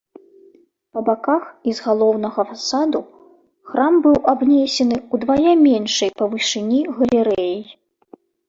Па баках і з галоўнага фасаду храм быў абнесены ўдвая меншай па вышыні галерэяй.